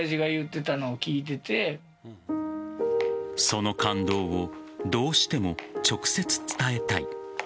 その感動をどうしても直接伝えたい。